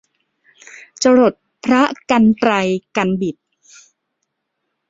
จรดพระกรรไตรกรรบิด